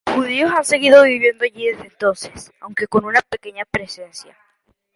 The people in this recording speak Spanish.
Los judíos han seguido viviendo allí desde entonces, aunque con una pequeña presencia.